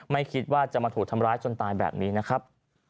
ไม่คิดว่าจะมาถูกทำร้ายจนตายแบบนี้นะครับ